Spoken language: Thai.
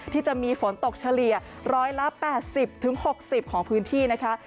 ที่จะมีฝนตกเฉลี่ย๑๘๐๖๐ของพื้นที่นะคะ